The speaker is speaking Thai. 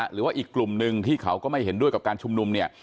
หรือว่าอีกกลุ่มหนึ่งที่เขาก็ไม่เห็นด้วยกับการชุมนุมเนี่ย